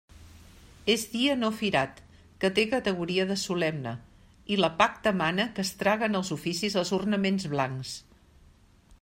És dia no firat, que té categoria de solemne, i l'epacta mana que es traguen als oficis els ornaments blancs.